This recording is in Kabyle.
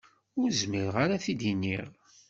Ur zmireɣ ad t-id-iniɣ.